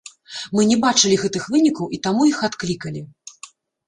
Мы не бачылі гэтых вынікаў і таму іх адклікалі.